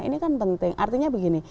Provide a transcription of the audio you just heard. ini kan penting artinya begini